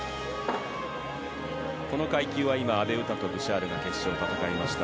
この階級は今、阿部詩とブシャールが決勝を戦いました。